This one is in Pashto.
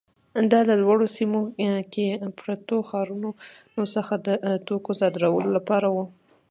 دا له لوړو سیمو کې پرتو ښارونو څخه د توکو صادرولو لپاره وه.